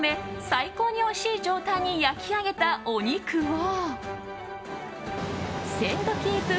最高においしい状態に焼き上げたお肉を鮮度キープ